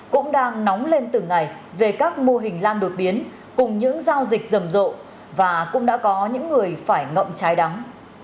cũng đang nóng lên từng ngày về các mô hình lan đột biến cùng những giao dịch rầm rộ và cũng đã có những người phải ngậm trái đắng